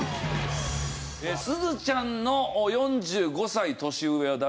すずちゃんの４５歳年上は誰？